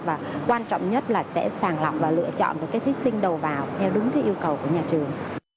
và quan trọng nhất là sẽ sàng lọc và lựa chọn được cái thí sinh đầu vào theo đúng cái yêu cầu của nhà trường